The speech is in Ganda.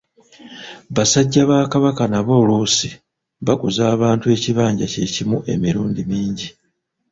Basajja ba Kabaka nabo oluusi baguza abantu ekibanja kyekimu emirundi mingi.